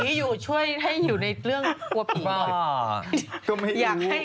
กลัวว่าผมจะต้องไปพูดให้ปากคำกับตำรวจยังไง